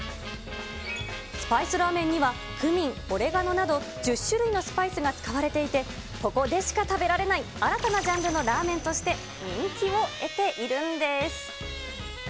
スパイスラーメンには、クミン、オレガノなど１０種類のスパイスが使われていて、ここでしか食べられない新たなジャンルのラーメンとして人気を得ているんです。